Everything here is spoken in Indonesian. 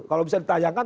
kalau bisa ditayangkan